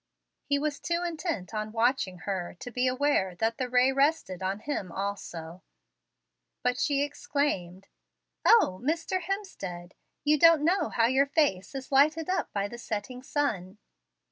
He was too intent on watching her to be aware that the ray rested on him also; but she exclaimed: "O Mr. Hemstead! you don't know how your face is lighted up by the setting sun.